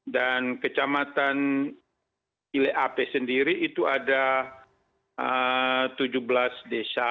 dan kecamatan ile ape sendiri itu ada tujuh belas desa